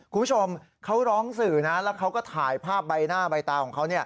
คุณผู้ชมเขาร้องสื่อนะแล้วเขาก็ถ่ายภาพใบหน้าใบตาของเขา